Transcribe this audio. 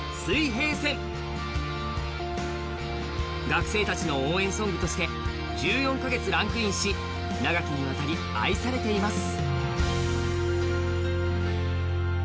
学生たちの応援ソングとして１４か月ランクインし、長きにわたり、愛されています。